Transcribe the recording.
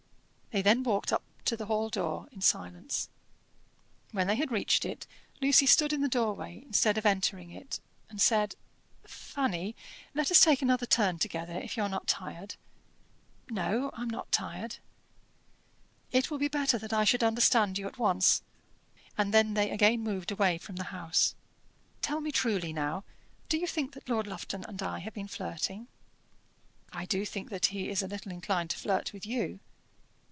They then walked up to the hall door in silence. When they had reached it, Lucy stood in the doorway instead of entering it, and said, "Fanny, let us take another turn together, if you are not tired." "No, I'm not tired." "It will be better that I should understand you at once," and then they again moved away from the house. "Tell me truly now, do you think that Lord Lufton and I have been flirting?" "I do think that he is a little inclined to flirt with you."